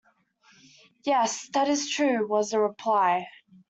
"Yes, that is true," was the reply.